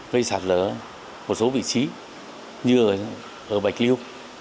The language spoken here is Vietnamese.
gây sạt lở một số vị trí như ở bạch liêu